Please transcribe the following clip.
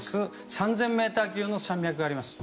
３０００ｍ級の山脈があります。